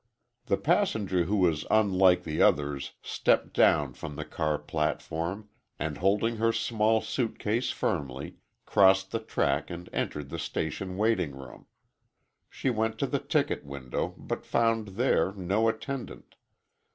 The passenger who was unlike the others stepped down from the car platform, and holding her small suitcase firmly, crossed the track and entered the station waiting room. She went to the ticket window but found there no attendant.